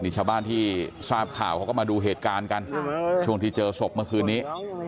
นี่ชาวบ้านที่ทราบข่าวเขาก็มาดูเหตุการณ์กันช่วงที่เจอศพเมื่อคืนนี้